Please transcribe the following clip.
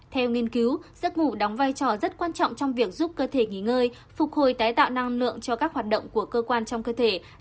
theo nghiên cứu giấc ngủ đóng vai trò rất quan trọng trong việc giúp cơ thể nghỉ ngơi phục hồi tái tạo năng lượng cho các hoạt động của cơ quan trong cơ thể